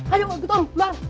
ayo ikut om keluar